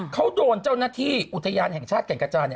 เขาโดนเจ้าหน้าที่อุทยานแห่งชาติแก่งกระจาน